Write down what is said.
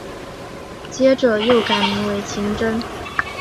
接着又改名为晴贞。